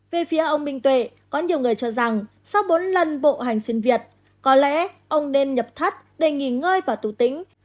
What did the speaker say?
về phía ông bình tuệ có nhiều người cho rằng sau bốn lần bộ hành xuyên việt có lẽ ông nên nhập thắt để nghỉ ngơi vào tù tính